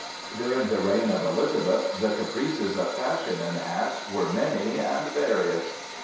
During the reign of Elizabeth the caprices of fashion in hats were many and various.